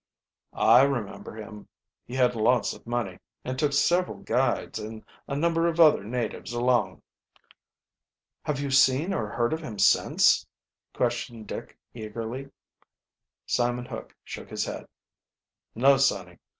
"I remember him. He had lots of money, and took several guides and a number of other, natives along." "Have you seen or heard of him since?" questioned Dick eagerly. Simon Hook shook his head. "No, sonny.